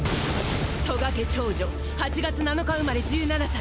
渡我家長女８月７日生まれ１７歳！